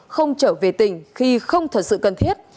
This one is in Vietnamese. không trở về tỉnh khi không thật sự cần thiết